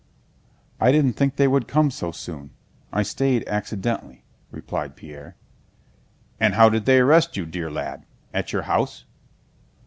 "I didn't think they would come so soon. I stayed accidentally," replied Pierre. "And how did they arrest you, dear lad? At your house?"